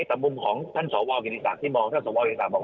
แต่มุมของท่านสอวรกิจศาสตร์ที่มองท่านสอวรกิจศาสตร์